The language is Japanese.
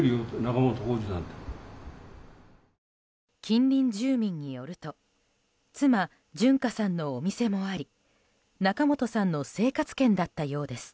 近隣住民によると妻・純歌さんのお店もあり仲本さんの生活圏だったようです。